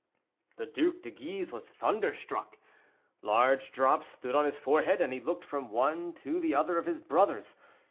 The Duc de Guise was thunderstruck. Large drops stood on his forehead, and he looked from one to the other of his brothers.